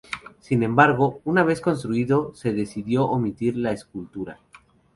Sin embargo, una vez construido, se decidió omitir la escultura.